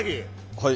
はい。